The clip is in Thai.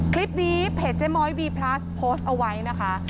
คลิปนี้เพจเจ๊ม้อยวีพลัสโพสต์เอาไว้นะคะ